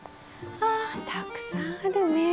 あたくさんあるね。